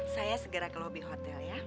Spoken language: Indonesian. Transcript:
saya segera ke lobby hotel ya